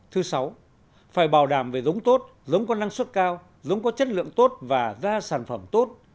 thứ sáu phải bảo đảm về giống tốt giống có năng suất cao giống có chất lượng tốt và ra sản phẩm tốt